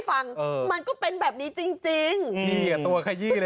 แล้วรถก็หอขึ้นฟ้าไปใหญ่ที่โรงเรียนเทศบาล๓